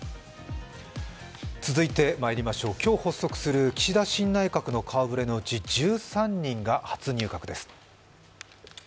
続いて、今日発足する岸田新内閣の顔ぶれのうち、１３人が初入閣です。